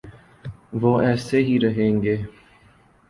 وہ ایسے ہی رہیں گے۔